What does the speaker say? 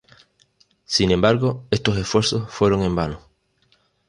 Sin embargo, estos esfuerzos fueron en vano.